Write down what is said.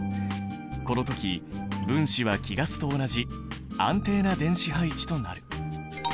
この時分子は貴ガスと同じ安定な電子配置となる。